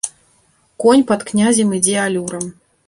Конь пад князем ідзе алюрам.